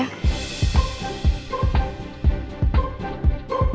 nah saya udah balik sama kak fandi